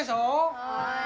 はい。